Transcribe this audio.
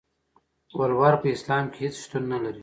ولور په اسلام کې هيڅ شتون نلري.